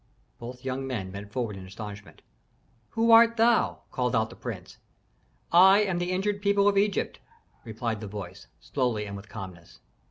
Both young men bent forward in astonishment. "Who art thou?" called out the prince. "I am the injured people of Egypt," replied the voice, slowly and with calmness.